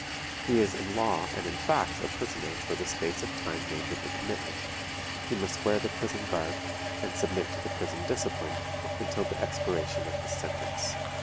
He is in law and in fact a prisoner for the space of time named in the commitment; he must wear the prison garb, and submit to the prison discipline, until the expiration of his sentence.